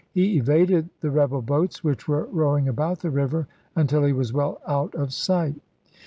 He evaded the rebel boats which were rowing about the river until he was well out of sight.